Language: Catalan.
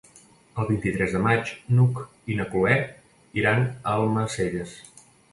El vint-i-tres de maig n'Hug i na Cloè iran a Almacelles.